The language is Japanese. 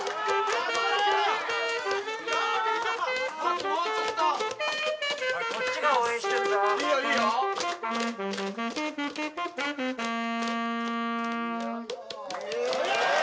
・あともうちょっとこっちが応援してるぞ・いいよいいよイエーイ！